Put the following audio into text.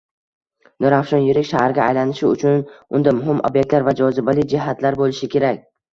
Nurafshon yirik shaharga aylanishi uchun unda muhim obyektlar va jozibali jihatlar boʻlishi kerak.